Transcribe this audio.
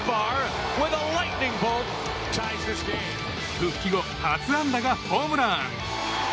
復帰後初安打がホームラン。